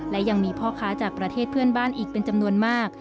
และยังมีพ่อค้าจากประเทศเพื่อนบ้านอีกเป็นจำนวนมาก